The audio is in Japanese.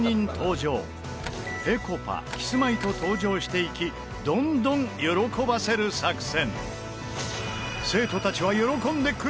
ぺこぱキスマイと登場していきどんどん喜ばせる作戦。